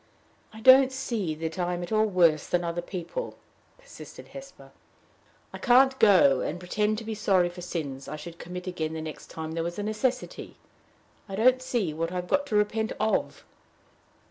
"I don't see that I'm at all worse than other people," persisted Hesper. "I can't go and pretend to be sorry for sins I should commit again the next time there was a necessity. I don't see what I've got to repent of."